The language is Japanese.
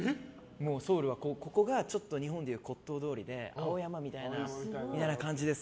ソウルはここがちょっと日本でいう骨董通りで青山みたいな感じです